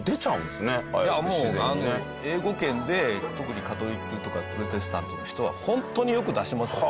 いやもう英語圏で特にカトリックとかプロテスタントの人はホントによく出しますよね。